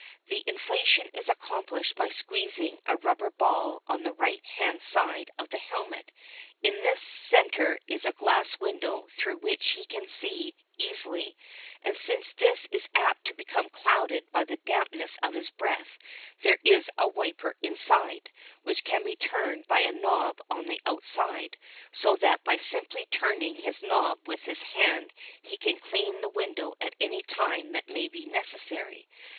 The inflation is accomplished by squeezing a rubber ball on the right hand side of the helmet. In the centre is a glass window through which he can see easily, and since this is apt to become clouded by the dampness of his breath there is a wiper inside, which can be turned by a knob on the outside, so that by simply turning his knob with his hand he can clean the window at any time that may be necessary.